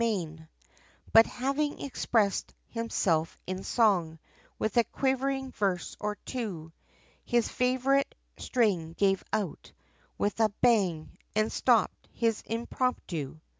But having expressed himself in song, With a quivering verse or two, His favourite string gave out, with a bang, And stopped his impromptu.